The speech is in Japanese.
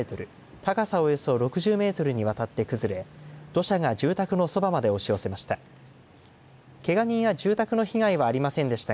高さおよそ６０メートルにわたって崩れ土砂が住宅のそばまで押し寄せました。